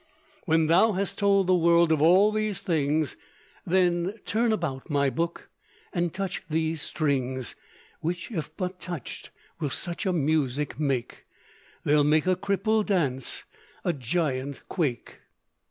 "When thou hast told the world of all these things, Then turn about, my Book, and touch these strings, Which, if but touched, will such a music make, They'll make a cripple dance, a giant quake."